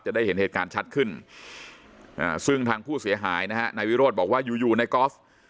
ได้เห็นเหตุการณ์ชัดขึ้นซึ่งทางผู้เสียหายนะฮะนายวิโรธบอกว่าอยู่ในกอล์ฟ